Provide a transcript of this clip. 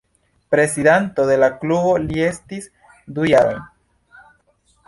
Prezidanto de la klubo li estis du jarojn.